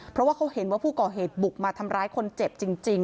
เพราะว่าเขาเห็นว่าผู้ก่อเหตุบุกมาทำร้ายคนเจ็บจริง